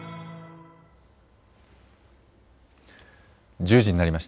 １０時になりました。